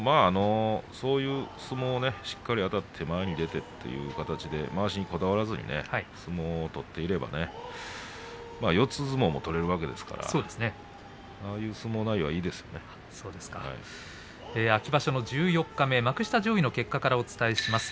そういう相撲しっかりあたって前に出てという相撲まわしにこだわらずに相撲を取っていれば四つ相撲も取れるわけですから秋場所の十四日目幕下上位の結果です。